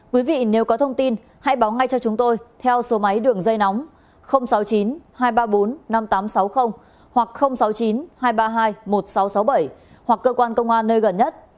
quý vị nếu có thông tin hãy báo ngay cho chúng tôi theo số máy đường dây nóng sáu mươi chín hai trăm ba mươi bốn năm nghìn tám trăm sáu mươi hoặc sáu mươi chín hai trăm ba mươi hai một nghìn sáu trăm sáu mươi bảy hoặc cơ quan công an nơi gần nhất